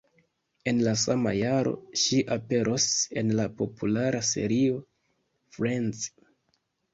En la sama jaro, ŝi aperos en la populara serio Friends.